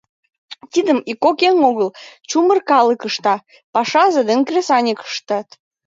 Тидым ик-кок еҥ огыл, чумыр калык ышта, пашазе ден кресаньык ыштат!